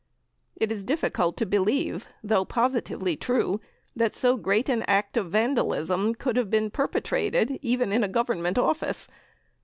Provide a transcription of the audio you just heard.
It is difficult to believe, although positively true, that so great an act of vandalism could have been perpetrated, even in a Government office.